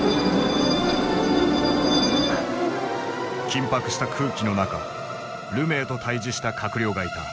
緊迫した空気の中ルメイと対峙した閣僚がいた。